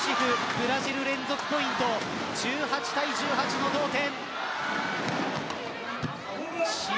ブラジル連続ポイント１８対１８の同点。